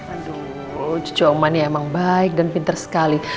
aduh cucu om mani emang baik dan pinter sekali